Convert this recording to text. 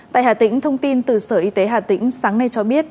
tại hà tĩnh thông tin từ sở y tế hà tĩnh sáng nay cho biết